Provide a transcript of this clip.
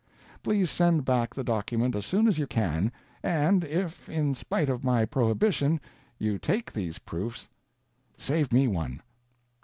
Please send back the document as soon as you can, and if, in spite of my prohibition, you take these proofs, save me one.